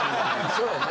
そうやな。